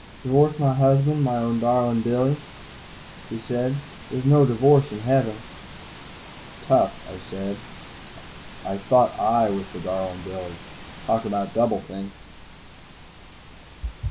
"I divorced my husband, my own darlin' Billy," she said. "There's no divorce in Heaven." "Tough," I said. I thought I was her darlin' Billy. Talk about Double think!